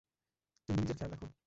তুমি নিজের খেয়াল রাখো।